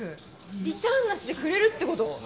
リターンなしでくれるってこと？